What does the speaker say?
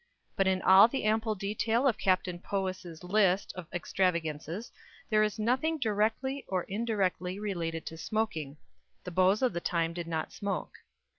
But in all the ample detail of Captain Powys's list of extravagances there is nothing directly or indirectly relating to smoking. The beaux of the time did not smoke.